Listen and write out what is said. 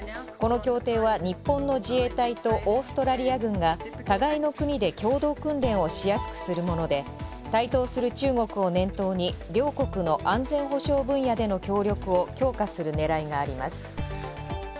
この協定は、日本の自衛隊とオーストラリア軍が互いの国で共同訓練をしやすくするもので台頭する中国を念頭に両国の安全保障分野での協力を強化するねらいがあります。